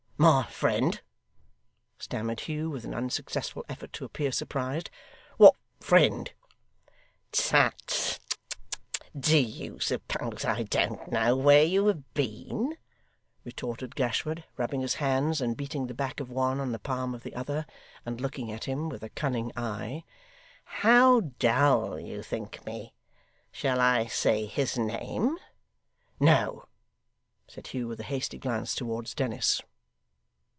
'My friend!' stammered Hugh, with an unsuccessful effort to appear surprised. 'What friend?' 'Tut tut do you suppose I don't know where you have been?' retorted Gashford, rubbing his hands, and beating the back of one on the palm of the other, and looking at him with a cunning eye. 'How dull you think me! Shall I say his name?' 'No,' said Hugh, with a hasty glance towards Dennis.